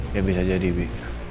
ya bisa jadi bi